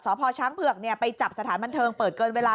พ่อช้างเผือกไปจับสถานบันเทิงเปิดเกินเวลา